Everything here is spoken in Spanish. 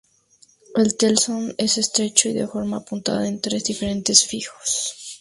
El telson es estrecho y de forma apuntada con tres dientes fijos.